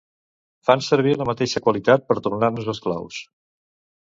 Fan servir la mateixa qualitat per tornar-nos esclaus.